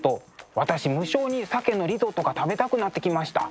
私無性に鮭のリゾットが食べたくなってきました。